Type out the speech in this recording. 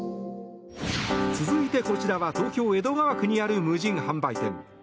続いて、こちらは東京・江戸川区にある無人販売店。